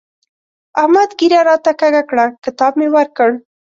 احمد ږيره راته کږه کړه؛ کتاب مې ورکړ.